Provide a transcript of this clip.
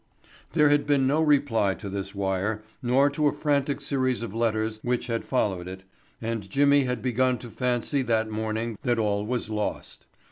There had been no reply to this wire nor to a frantic series of letters which had followed it and Jimmy had begun to fancy that morning that all was lost.